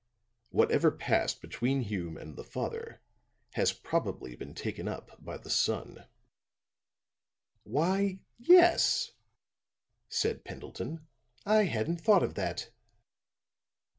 Whatever passed between Hume and the father has probably been taken up by the son." "Why, yes," said Pendleton. "I hadn't thought of that."